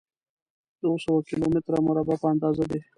د اووه سوه کيلو متره مربع په اندازه دی.